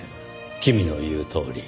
君の言うとおり。